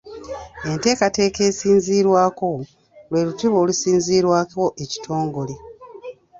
Enteekateeka esinziirwako lwe lutiba olusinziirwako ekitongole.